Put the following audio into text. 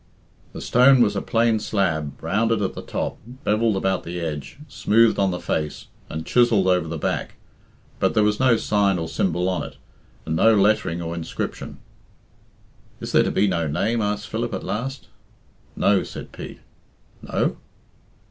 The stone was a plain slab, rounded at the top, bevelled about the edge, smoothed on the face, and chiselled over the back; but there was no sign or symbol on it, and no lettering or inscription. "Is there to be no name?" asked Philip at last. "No," said Pete. "No?"